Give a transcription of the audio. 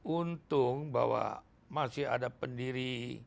untung bahwa masih ada pendiri